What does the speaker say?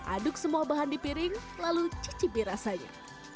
aduk semua bahan di piring lalu cicipi rasanya